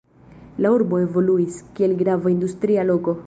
La urbo evoluis, kiel grava industria loko.